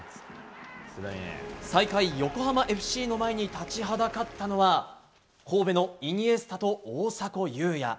最下位、横浜ＦＣの前に立ちはだかったのは神戸のイニエスタと大迫勇也。